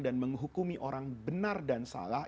dan menghukumi orang benar dan salah